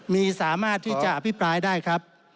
มีสามารถที่จะอภิปรายได้ครับ